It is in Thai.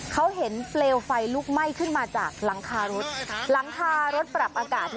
เขาเห็นเปลวไฟลุกไหม้ขึ้นมาจากหลังคารถหลังคารถปรับอากาศ